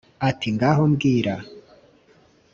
Ati “Ngaho mbwira.”